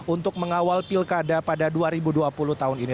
untuk mengawal pilkada pada dua ribu dua puluh tahun ini